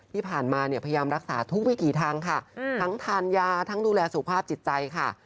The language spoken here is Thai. ที่ผ่านมาเนี่ยพยายามรักษาทุกวิถีทางค่ะทั้งทานยาทั้งดูแลสุขภาพจิตใจค่ะ